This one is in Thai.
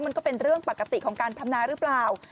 มันก็เป็นเรื่องปกติของการทำนาหรือเปล่า